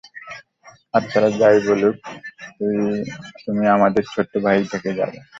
আত্মারা যাই বলুক, তুমি আমাদের ছোট্ট ভাইই থেকে যাবে।